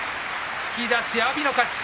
突き出し、阿炎の勝ち